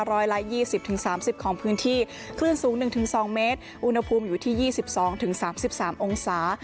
รอยละยี่สิบถึงสามสิบของพื้นที่คลื่นสูงหนึ่งถึงสองเมตรอุณหภูมิอยู่ที่ยี่สิบสองถึงสามสิบสามองศา